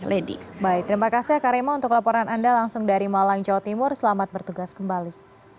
lady baik terima kasih akarema untuk laporan anda langsung dari malang jawa timur selamat bertugas kembali